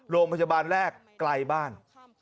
โรงพยาบาลแรกไกลบ้าน